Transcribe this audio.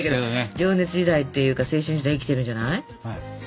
情熱時代っていうか青春時代生きてるんじゃない？